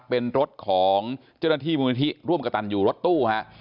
เป็นรถของเจ้าหน้าที่มูลนิธิร่วมกระตันอยู่รถตู้ฮะ